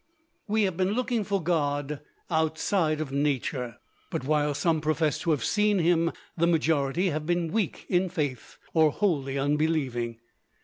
We have been looking for God outside of Nature; but while some profess to have seen him, the majority have been weak in faith, or wholly unbelieving.